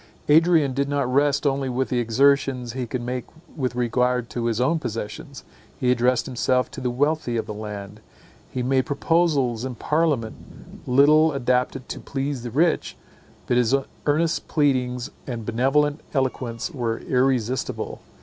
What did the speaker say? Adrian did not rest only with the exertions he could make with regard to his own possessions. He addressed himself to the wealthy of the land; he made proposals in parliament little adapted to please the rich; but his earnest pleadings and benevolent eloquence were irresistible.